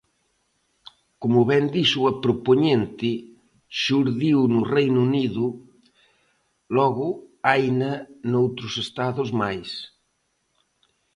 Como ben dixo a propoñente, xurdiu no Reino Unido; logo haina noutros estados máis.